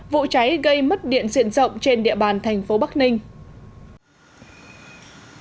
vụ cháy gây mất điện diện rộng trên địa bàn thành phố bắc ninh